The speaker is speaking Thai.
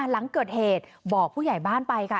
หลังเกิดเหตุบอกผู้ใหญ่บ้านไปค่ะ